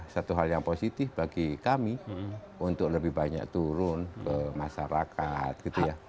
satu hal yang positif bagi kami untuk lebih banyak turun ke masyarakat gitu ya